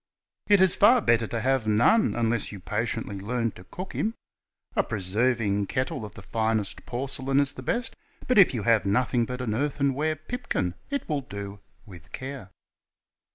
"It is far betfer to have none, unless you patiently learn to cook him. A pre serving kettle of the finest porcelain is the best, but if you have nothing but an earthenware pipkin, it will do, with care.